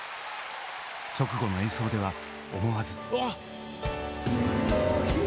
直後の演奏では思わず。